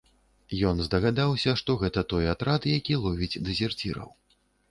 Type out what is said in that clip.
Ён здагадаўся, што гэта той атрад, які ловіць дэзерціраў.